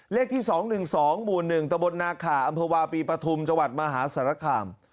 เลขที่๒๑๒๑ตบนาคาอัมพวาปีปฐุมจมหาศรภาคาม